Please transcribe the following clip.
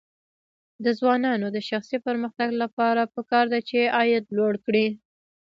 د ځوانانو د شخصي پرمختګ لپاره پکار ده چې عاید لوړ کړي.